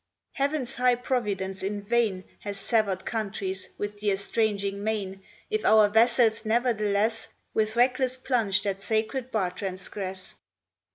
Heaven's high providence in vain Has sever'd countries with the estranging main, If our vessels ne'ertheless With reckless plunge that sacred bar transgress.